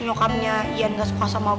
nyokapnya ian gak suka sama dia kan